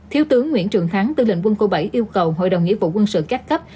thiếu tướng nguyễn trường thắng tư lệnh quân khu bảy yêu cầu hội đồng nghĩa vụ quân sự các cấp